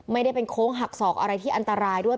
ไม่ได้เป็นโค้งหักศอกอะไรที่อันตรายด้วย